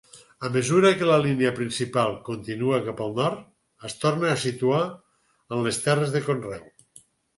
A mesura que la línia principal continua cap al nord, es torna a situar en les terres de conreu.